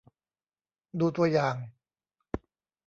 ดูตัวอย่าง